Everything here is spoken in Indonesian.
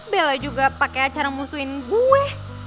bella juga pakai acara musuhin gue